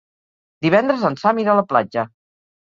Divendres en Sam irà a la platja.